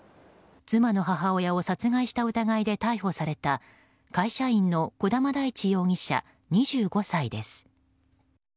妻の母親を殺害した疑いで逮捕された会社員の児玉大地容疑者、２５歳です。